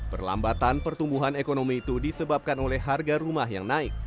perlambatan pertumbuhan ekonomi itu disebabkan oleh harga rumah yang naik